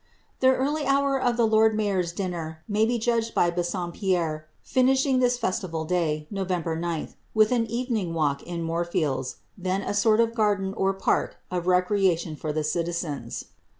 "^ The early hour of the lord mayor's dinner may be judged by Bassompierre finishing this festival day (Nov. 0) with an evening walk in Moorfields, then a sort of garden or park of recreation for the citizens.